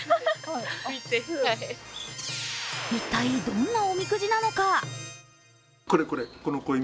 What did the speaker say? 一体、どんなおみくじなのか。